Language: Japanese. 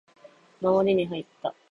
守りに入った